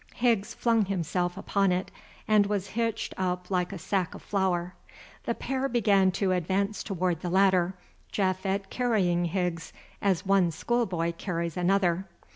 Higgs flung himself upon it, and was hitched up like a sack of flour. The pair began to advance toward the ladder, Japhet carrying Higgs as one schoolboy carries another.